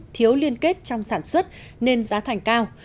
thiếu liên kết trong sản xuất nên giá thành cao